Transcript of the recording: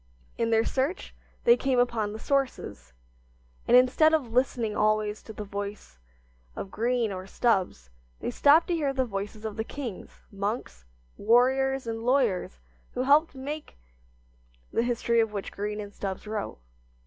In their search they came upon the sources, and instead of listening always to the voice of Green or Stubbs, they stopped to hear the voices of the kings, monks, warriors and lawyers who helped to make the history of which Green and Stubbs wrote.